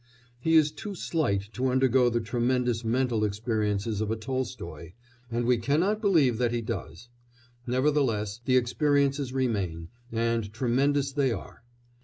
He is too slight to undergo the tremendous mental experiences of a Tolstoy, and we cannot believe that he does; nevertheless, the experiences remain, and tremendous they are.